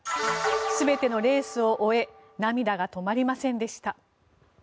全てのレースを終え涙が止まりませんでした。